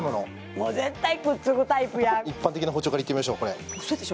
もう絶対くっつくタイプや一般的な包丁からいってみましょうこれウソでしょ